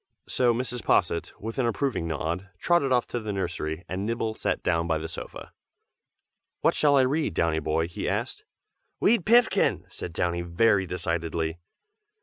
So Mrs. Posset, with an approving nod, trotted off to the nursery, and Nibble sat down by the sofa. "What shall I read, Downy boy?" he asked. "Wead Pinfkin!" said Downy very decidedly.